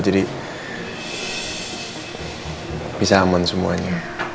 jadi bisa aman semuanya